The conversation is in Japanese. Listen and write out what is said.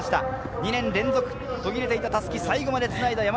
２年連続、途切れていた襷を最後まで繋いだ。